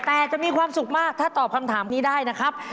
แต่จะมีความสุขมากถ้าตอบคำถามนี้ได้นะครับ